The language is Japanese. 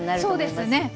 そうですね。